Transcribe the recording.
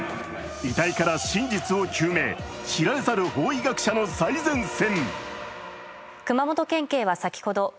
遺体から真実を究明、知られざる法医学者の最前線。